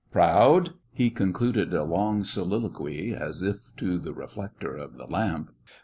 "Proud?" he concluded a long soliloquy as if to the reflector of the lamp.